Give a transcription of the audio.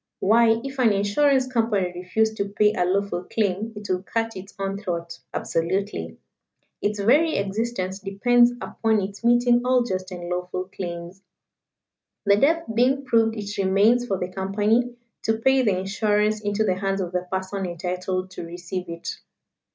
Why, if an Insurance Company refused to pay a lawful claim it would cut its own throat absolutely. Its very existence depends upon its meeting all just and lawful claims. The death being proved it remains for the Company to pay the insurance into the hands of the person entitled to receive it.